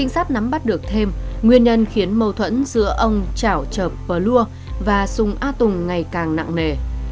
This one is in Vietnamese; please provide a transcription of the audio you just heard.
nắm bắt được thêm nguyên nhân khiến mâu thuẫn giữa ông trảo chợp pờ lua và sùng a tùng ngày càng nặng nề